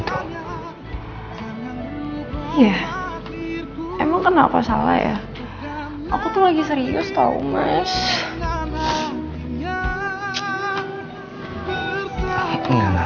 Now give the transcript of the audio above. tuhan bertemu aku sama kamu